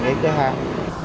cái cửa hàng